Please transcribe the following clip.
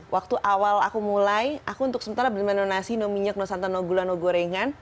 waktu awal aku mulai aku untuk sementara beli belah no nasi no minyak no santan no gula no gorengan